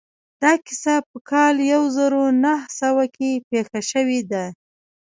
دا کيسه په کال يو زر و نهه سوه کې پېښه شوې ده.